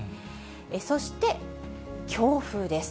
そして、強風です。